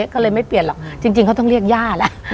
ก็เลยไม่เปลี่ยนหรอกจริงเขาต้องเรียกย่าแล้ว